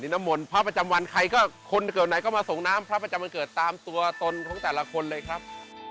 น้ำมนต์พระประจำวันใครก็คนเกิดไหนก็มาส่งน้ำพระประจำวันเกิดตามตัวตนของแต่ละคนเลยครับ